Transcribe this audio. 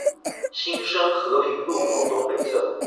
新生和平路口東北側